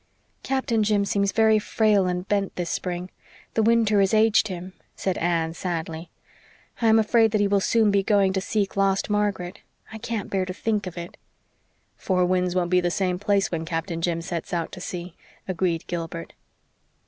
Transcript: "Captain Jim seems very frail and bent this spring. The winter has aged him," said Anne sadly. "I am afraid that he will soon be going to seek lost Margaret. I can't bear to think of it." "Four Winds won't be the same place when Captain Jim 'sets out to sea,'" agreed Gilbert.